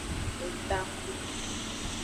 Etaxu.